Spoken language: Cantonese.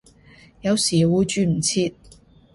有時會轉唔切